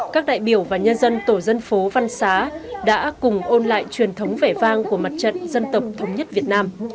các đại biểu và nhân dân tổ dân phố văn xá đã cùng ôn lại truyền thống vẻ vang của mặt trận dân tộc thống nhất việt nam